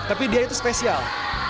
tapi dia itu spesial